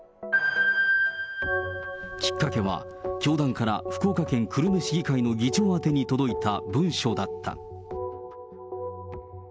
きっかけは、教団から福岡県久留米市議会の議長宛てに届いた文書だった。